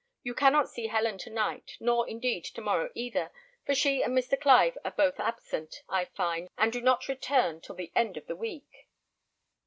You cannot see Helen to night, nor, indeed, to morrow either, for she and Mr. Clive are both absent, I find, and do not return till the end of the week."